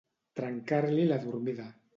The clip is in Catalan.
Trencar-li la dormida.